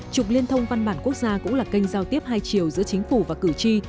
trục liên thông văn bản quốc gia cũng là kênh giao tiếp hai chiều giữa chính phủ và cử tri